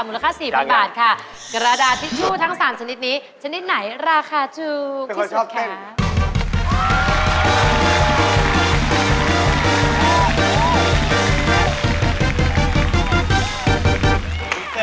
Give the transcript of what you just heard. ค่า๔๐๐บาทค่ะกระดาษทิชชู่ทั้ง๓ชนิดนี้ชนิดไหนราคาถูกที่สุดคะ